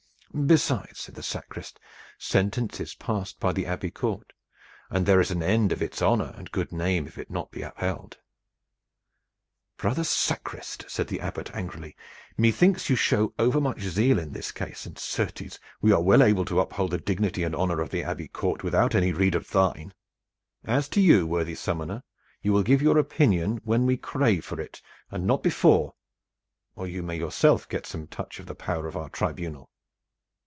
"Besides," said the sacrist, "sentence is passed by the Abbey court, and there is an end of its honor and good name if it be not upheld." "Brother sacrist," said the Abbot angrily, "methinks you show overmuch zeal in this case, and certes, we are well able to uphold the dignity and honor of the Abbey court without any rede of thine. As to you, worthy summoner, you will give your opinion when we crave for it, and not before, or you may yourself get some touch of the power of our tribunal.